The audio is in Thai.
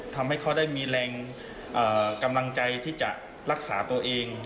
ทำให้เขาได้มีแรงกำลังใจที่จะรักษาตัวเอง